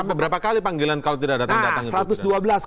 sampai berapa kali panggilan kalau tidak datang datang